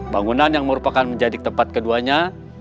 bangunan yang merupakan menjadi tempat keduanya